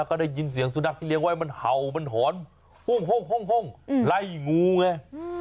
ก็ได้ยินเสียงสุนัขที่เลี้ยงไว้มันเห่ามันหอนปุ้งไล่งูไง